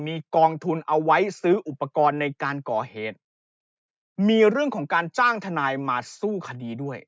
มีกองทุนเอาไว้ซื้ออุปกรณ์ในการก่อเหตุเพราะว่ามีเรื่องของการจ้างทนายมาสู้คดีด้วย